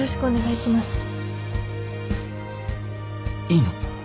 いいの？